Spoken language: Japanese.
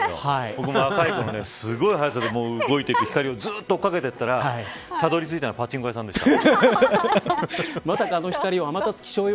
僕も若いごろすごい速さで動いていく光をずっと追いかけて行ったらたどり着いたらパチンコ屋さんでした。